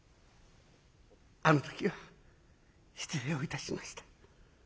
あの時は失礼をいたしました。